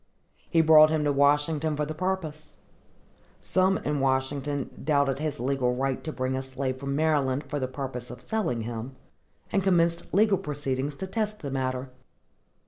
He brought him to Washington for the purpose. Some in Washington doubted his legal right to bring a slave from Maryland for the purpose of selling him, and commenced legal proceedings to test the matter.